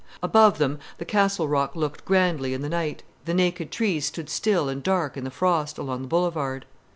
Above them the Castle Rock loomed grandly in the night, the naked trees stood still and dark in the frost, along the boulevard.